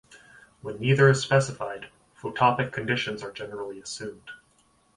When neither is specified, photopic conditions are generally assumed.